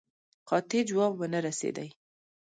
قاطع جواب ونه رسېدی.